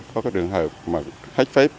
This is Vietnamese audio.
có cái trường hợp mà khách phép